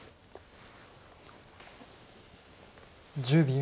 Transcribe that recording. １０秒。